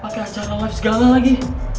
pakai acara live segala lagi